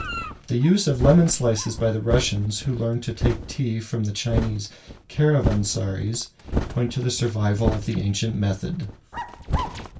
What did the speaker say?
The use of lemon slices by the Russians, who learned to take tea from the Chinese caravansaries, points to the survival of the ancient method.